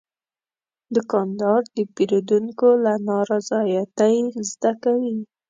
دوکاندار د پیرودونکو له نارضایتۍ زده کوي.